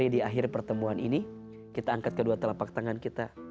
di akhir pertemuan ini kita angkat kedua telapak tangan kita